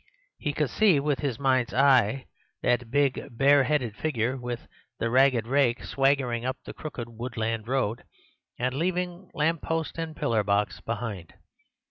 He could see with his mind's eye that big bare headed figure with the ragged rake swaggering up the crooked woodland road, and leaving lamp post and pillar box behind.